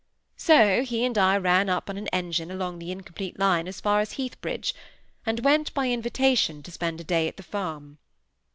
So he and I ran up on an engine along the incomplete line as far as Heathbridge, and went, by invitation, to spend a day at the farm.